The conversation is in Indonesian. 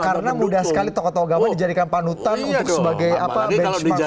karena mudah sekali tokoh tokoh agama dijadikan panutan sebagai benchmark